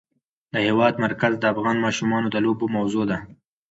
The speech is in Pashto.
د هېواد مرکز د افغان ماشومانو د لوبو موضوع ده.